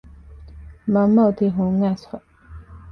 މަންމަ އޮތީ ހުން އައިސްފަ